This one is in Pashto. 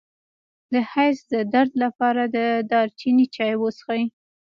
د حیض د درد لپاره د دارچینی چای وڅښئ